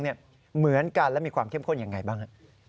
เหมือนกันและมีความเข้มข้นยังไงบ้าง